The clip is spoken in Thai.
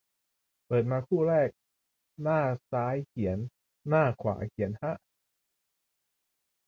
เปิดมาคู่แรก หน้าซ้ายเขียน หน้าขวาเขียน ฮะ